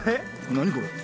何これ？